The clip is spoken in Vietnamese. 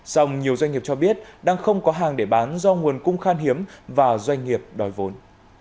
song nhiều doanh nghiệp cho biết đang không có hàng để bán do nguồn cung khan hiếm và doanh nghiệp đòi vốn